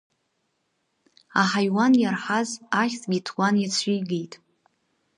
Аҳаиуан иарҳаз ахьӡ Қьеҭуан иацәигеит.